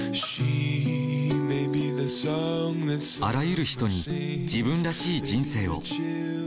あらゆる人に自分らしい人生を。